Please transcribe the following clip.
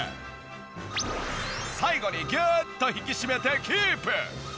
最後にギューッと引き締めてキープ。